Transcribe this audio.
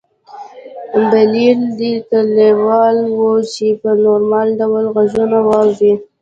بلییر دې ته لېوال و چې په نورمال ډول غږونه واوري